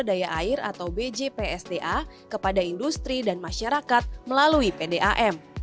daya air atau bjpsda kepada industri dan masyarakat melalui pdam